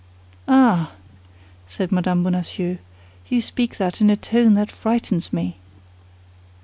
"Ah," said Mme. Bonacieux, "you speak that in a tone that frightens me!"